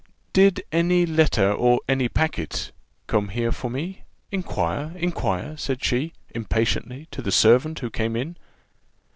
"Did any letter, any packet, come here for me? Inquire, inquire," said she, impatiently, to the servant who came in.